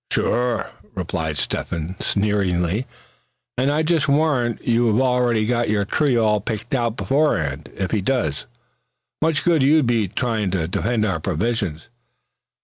"Sure," replied Step hen, sneeringly; "and I just warrant you've already got your tree all picked out beforehand, if he does. Much good you'd be trying to defend our provisions.